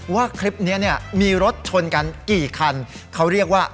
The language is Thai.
ว่าคลิปนี้เนี่ย